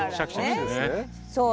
そう。